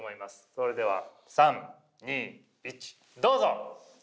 それでは３２１どうぞ！